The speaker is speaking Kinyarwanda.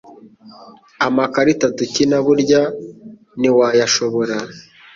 Amakarita dukina burya ntiwayashobora